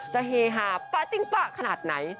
จะเฮฮาป๊าจิ้งป๊าขนาดไหน